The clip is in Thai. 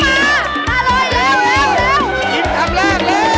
เฮ้ยน้องช้างมาโลกเลย